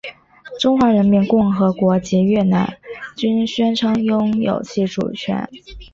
中华人民共和国及越南均宣称拥有其主权。